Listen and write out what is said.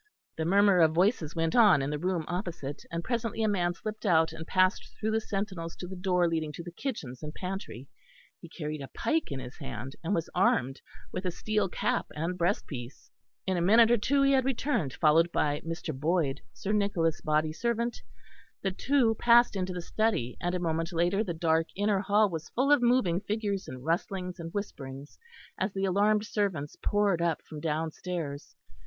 The murmur of voices went on in the room opposite; and presently a man slipped out and passed through the sentinels to the door leading to the kitchens and pantry; he carried a pike in his hand, and was armed with a steel cap and breast piece. In a minute he had returned followed by Mr. Boyd, Sir Nicholas' body servant; the two passed into the study and a moment later the dark inner hall was full of moving figures and rustlings and whisperings, as the alarmed servants poured up from downstairs.